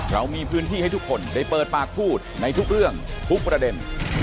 เรามีพื้นที่ให้ทุกคนได้เปิดปากพูดในทุกเรื่องทุกประเด็น